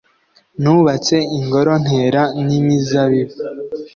nubatse ingoro, ntera n'imizabibu